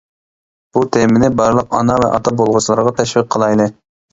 بۇ تېمىنى بارلىق ئانا ۋە ئاتا بولغۇچىلارغا تەشۋىق قىلايلى!